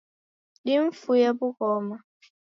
Dimfuye wughoma